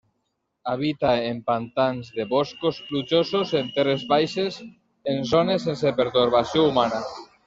Habita en pantans de boscos plujosos en terres baixes, en zones sense pertorbació humana.